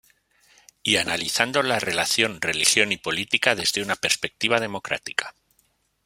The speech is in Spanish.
Y analizando la relación religión y política desde una perspectiva democrática.